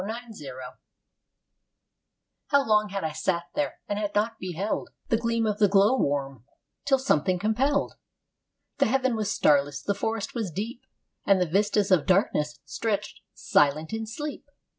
THE GLOW WORM How long had I sat there and had not beheld The gleam of the glow worm till something compelled!... The heaven was starless, the forest was deep, And the vistas of darkness stretched silent in sleep.